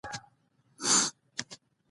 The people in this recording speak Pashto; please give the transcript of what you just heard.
د روزنې غونډې د پلي تګ پروګرام یوه برخه ده.